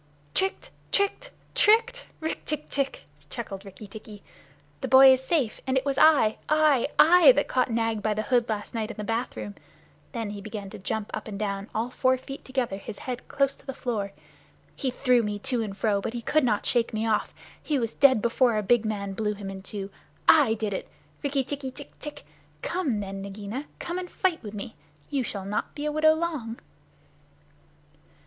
"Tricked! Tricked! Tricked! Rikk tck tck!" chuckled Rikki tikki. "The boy is safe, and it was I I I that caught Nag by the hood last night in the bathroom." Then he began to jump up and down, all four feet together, his head close to the floor. "He threw me to and fro, but he could not shake me off. He was dead before the big man blew him in two. I did it! Rikki tikki tck tck! Come then, Nagaina. Come and fight with me. You shall not be a widow long."